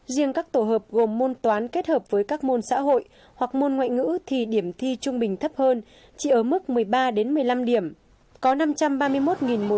riêng các tổ hợp gồm môn toán kết hợp với các môn xã hội hoặc môn ngoại ngữ thì điểm thi trung bình thấp hơn chỉ ở mức một mươi ba đến một mươi năm điểm